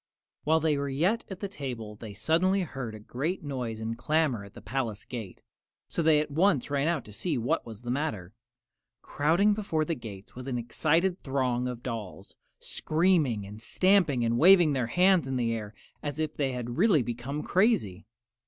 While they were yet at the table they suddenly heard a great noise and clamor at the palace gate, so they at once ran out to see what was the matter. Crowding before the gates was an excited throng of dolls, screaming and stamping and waving their hands in the air as if they had really become crazy.